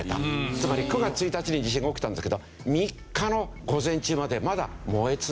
つまり９月１日に地震が起きたんですけど３日の午前中までまだ燃え続けていたというんですね。